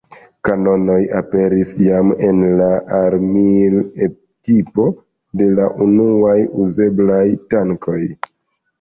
Kanonoj aperis jam en la armil-ekipo de la unuaj uzeblaj tankoj.